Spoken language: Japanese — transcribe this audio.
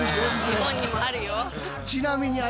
日本にもあるよ。